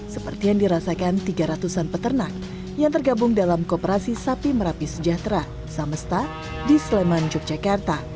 seperti yang dirasakan tiga ratus an peternak yang tergabung dalam kooperasi sapi merapi sejahtera samesta di sleman yogyakarta